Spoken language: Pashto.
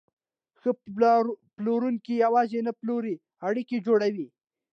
ښه پلورونکی یوازې نه پلوري، اړیکې جوړوي.